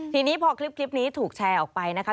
ทีนี้พอคลิปนี้ถูกแชร์ออกไปนะคะ